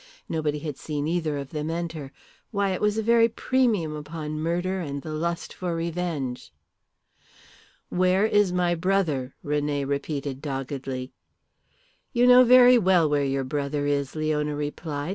Nobody had seen either of them enter. Why, it was a very premium upon murder and the lust for revenge! "Where is my brother?" René repeated doggedly. "You know very well where your brother is," Leona replied.